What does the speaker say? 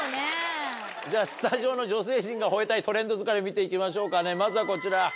じゃあスタジオの女性陣が吠えたいトレンド疲れ見て行きましょうかねまずはこちら。